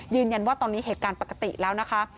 ยืนยันว่าตอนนี้เหตุการณ์ปกติแล้วนะคะ